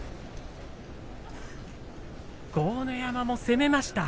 豪ノ山も攻めました。